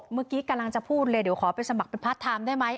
เมื่อกี้กำลังจะพูดเลยเดี๋ยวขอไปสมัครเป็นพาร์ทไทม์ได้ไหม